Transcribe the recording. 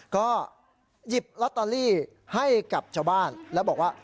ก็หยิบลอตเตอรี่ให้กับชาวบ้านแล้วบอกว่า